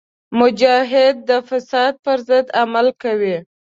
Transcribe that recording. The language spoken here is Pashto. مجاهد د فساد پر ضد عمل کوي.